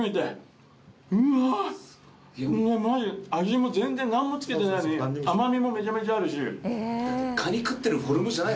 味も全然何もつけてないのに甘味もめちゃめちゃあるし。